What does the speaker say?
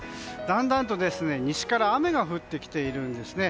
だんだんと西から雨が降ってきているんですね。